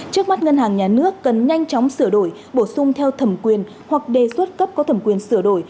trước mắt ngân hàng nhà nước cần nhanh chóng sửa đổi bổ sung theo thẩm quyền hoặc đề xuất cấp có thẩm quyền sửa đổi